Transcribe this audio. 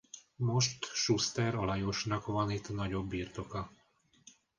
Most Schuster Alajosnak van itt nagyobb birtoka.